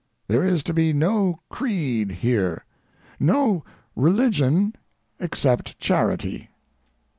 There is to be no creed here—no religion except charity.